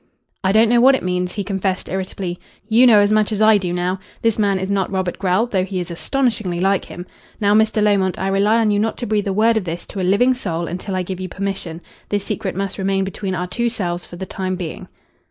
"I don't know what it means," he confessed irritably. "You know as much as I do now. This man is not Robert Grell, though he is astonishingly like him. Now, Mr. Lomont, I rely on you not to breathe a word of this to a living soul until I give you permission. This secret must remain between our two selves for the time being."